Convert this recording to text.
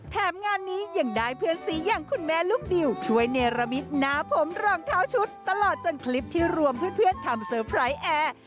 แถมงานนี้ยังได้เพื่อนสีอย่างคุณแม่ลูกดิวช่วยเนรมิตหน้าผมรองเท้าชุดตลอดจนคลิปที่รวมเพื่อนทำเซอร์ไพรส์แอร์